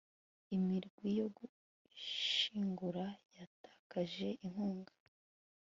imirwi yo gushyingura yatakaje inkunga